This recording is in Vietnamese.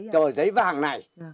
tờ giấy vàng này